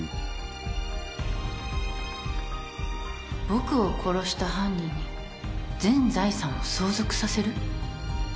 僕を殺した犯人に全財産を相続させる？